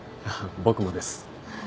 僕もです。